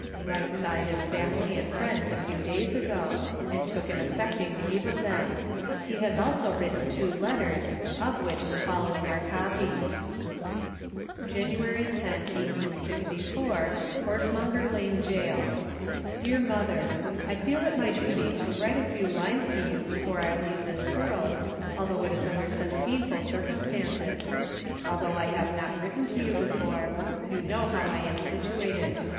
Wright saw his family and friends a few days ago, and took an affecting leave of them. He has also written two letters, of which the following are copies: "Jan. 10, 1864, Horsemonger lane Gaol. "Dear Mother, I feel it my duty to write a few lines to you before I leave this world, although it is under such painful circumstances. Although I have not written to you before, you know how I am situated.